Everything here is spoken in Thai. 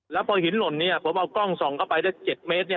แล้วพอหินหล่นเนี่ยผมเอากล้องส่องเข้าไปได้๗เมตรเนี่ย